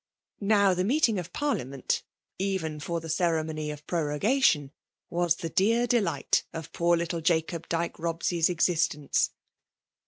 Now the meeting of Parliament, even for the ceremony of prorogation, was the dear delight of poor little Jacob Dyke Bobsey's existence.